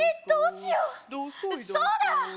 どうしようそうだ